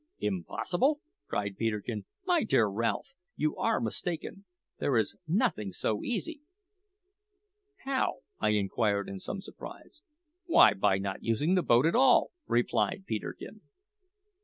"Impossible?" cried Peterkin. "My dear Ralph, you are mistaken; there is nothing so easy." "How?" I inquired in some surprise. "Why, by not using the boat at all!" replied Peterkin.